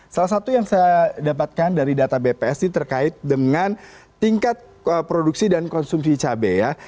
salah satu yang saya dapatkan dari data bps ini terkait dengan tingkat produksi dan konsumsi cabai ya